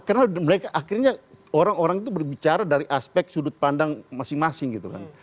karena mereka akhirnya orang orang itu berbicara dari aspek sudut pandang masing masing gitu kan